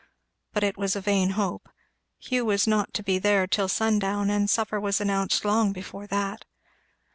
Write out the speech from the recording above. But it was a vain hope. Hugh was not to be there till sundown, and supper was announced long before that.